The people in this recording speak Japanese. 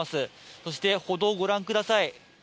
そして歩道をご覧ください。